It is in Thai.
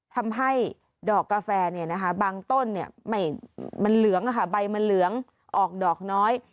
ทำให้ดอกกาแฟเนี่ยนะคะบางต้นเนี่ยมันเหลืองนะคะใบมันเหลืองออกดอกน้อย